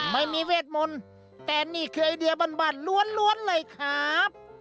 ไม่มีเวทมนต์แต่นี่คือไอเดียบ้านล้วนเลยครับ